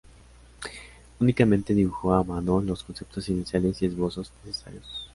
Únicamente dibujó a mano los conceptos iniciales y esbozos necesarios.